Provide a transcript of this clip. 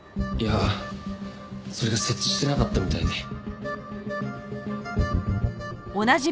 いやそれが設置してなかったみたいで。